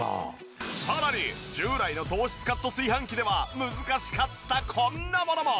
さらに従来の糖質カット炊飯器では難しかったこんなものも。